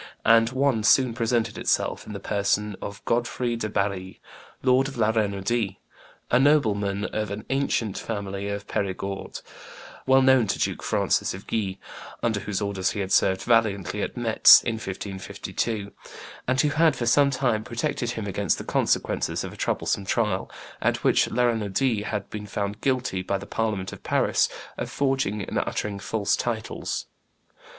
And one soon presented himself in the person of Godfrey de Barri, Lord of La Renaudie, a nobleman of an ancient family of Perigord, well known to Duke Francis of Guise, under whose orders he had served valiantly at Metz in 1552, and who had for some time protected him against the consequences of a troublesome trial, at which La Renaudie had been found guilty by the Parliament of Paris of forging and uttering false titles.